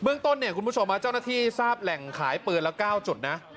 เบื้องต้นคุณผู้ชมจ้าวนาทีทราบแหล่งขายปืนละ๙จุดนะ